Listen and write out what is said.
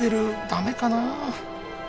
ダメかなあ？